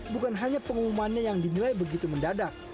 bukan hanya pengumumannya yang dinilai begitu mendadak